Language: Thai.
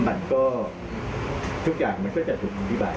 มันก็ทุกอย่างมันก็จะถูกอธิบาย